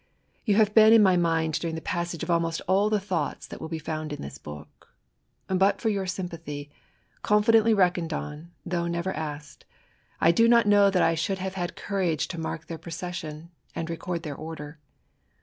You have been in my mind during the passage of almost all the thoughts that will be found in this book. But for your sympathy — confidently reckoned on, though never asked — I do not know that I should have had courage to mark their procession, and record their order.